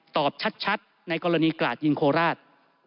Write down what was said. ตอบชัดในกรณีกราดยิงโคราช